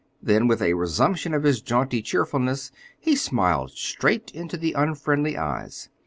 Then, with a resumption of his jaunty cheerfulness, he smiled straight into the unfriendly eyes.